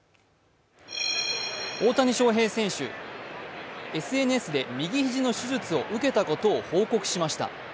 大谷翔平選手、ＳＮＳで右肘の手術を受けたことを報告しました。